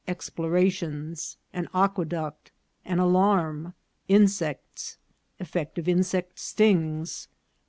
— Explorations. — An Aque duct.—An Alarm. — Insects. — Effect of Insect Stings.